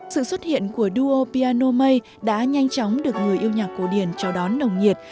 sự xuất hiện của duo piano may đã nhanh chóng được người yêu nhạc cổ điển chào đón nồng nhiệt